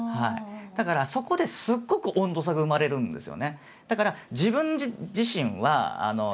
だからそこですごく温度差が生まれるんですよね。